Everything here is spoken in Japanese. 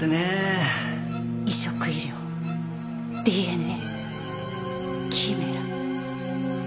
移植医療ＤＮＡキメラ。